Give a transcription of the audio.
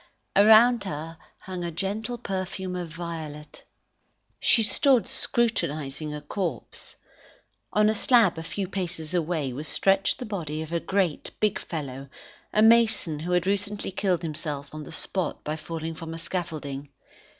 Around her hung a gentle perfume of violet. She stood scrutinising a corpse. On a slab a few paces away, was stretched the body of a great, big fellow, a mason who had recently killed himself on the spot by falling from a scaffolding.